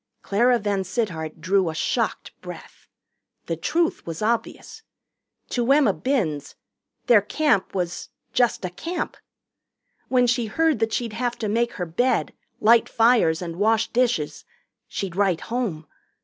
Clara VanSittart drew a shocked breath. The truth was obvious. To Emma Binns their Camp was just a camp. When she heard that she'd have to make her bed, light fires, and wash dishes, she'd write home.